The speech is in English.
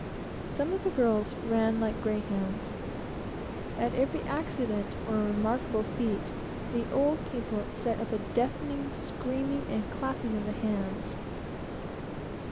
Some of the girls ran like greyhounds. At every accident, or remarkable feat, the old people set up a deafening screaming and clapping of hands.